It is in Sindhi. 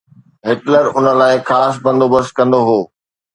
هٽلر ان لاءِ خاص بندوبست ڪندو هو.